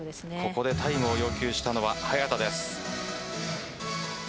ここでタイムを要求したのは早田です。